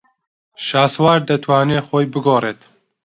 شاسوار دەتوانێت خۆی بگۆڕێت.